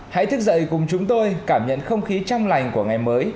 hãy thức dậy cùng chúng tôi cảm nhận không khí trong lành của ngày mới